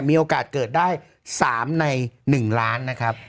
มีโอกาสเกิดได้๓ใน๑ล้านนะครับ